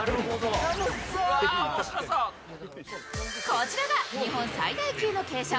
こちらが日本最大級の傾斜